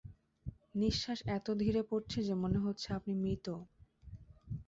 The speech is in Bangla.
নিঃশ্বাস এত ধীরে পড়ছে যে মনে হচ্ছে আপনি মৃত!